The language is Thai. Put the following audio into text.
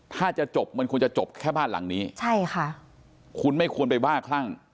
ถ้าจะจบมันควรจะจบแค่บ้านหลังนี้ใช่ค่ะคุณไม่ควรไปบ้าคลั่ง